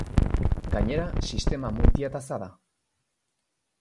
Gainera, sistema multiataza da.